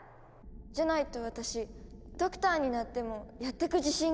じゃないと私ドクターになってもやってく自信がなくて。